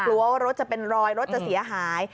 กลัวว่ารถจะเป็นรอยรถจะเสียหาย